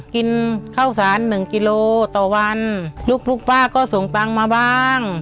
กินข้าวสารหนึ่งกิโลต่อวันลูกป้าก็ส่งตังค์มาบ้าง